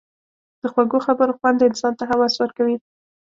د خوږو خبرو خوند انسان ته هوس ورکوي.